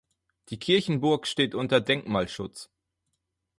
Die Kirchenburg steht unter Denkmalschutz.